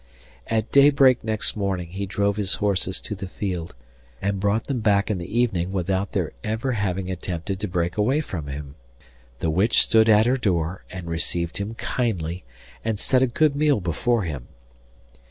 At daybreak nest morning he drove his horses to the field, and brought them back in the evening without their ever having attempted to break away from him. The witch stood at her door and received him kindly, and set a good meal before him.